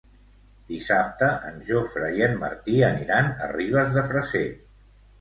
Dissabte en Jofre i en Martí aniran a Ribes de Freser.